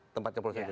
tempat jempol saya